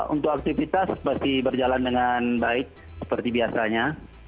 untuk aktivitas pasti berjalan dengan baik seperti biasanya